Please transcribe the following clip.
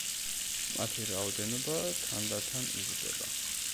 მათი რაოდენობა თანდათან იზრდება.